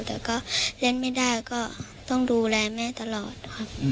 แต่ก็เล่นไม่ได้ก็ต้องดูแลแม่ตลอดครับ